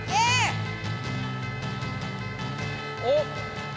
おっ。